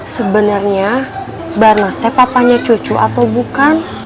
sebenarnya barnas teh papanya cucu atau bukan